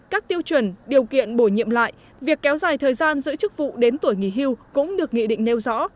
các tiêu chuẩn điều kiện bổ nhiệm lại việc kéo dài thời gian giữ chức vụ đến tuổi nghỉ hưu cũng được nghị định nêu rõ